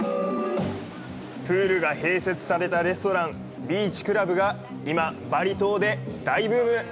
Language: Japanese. プールが併設されたレストランビーチクラブが今、バリ島で大ブーム。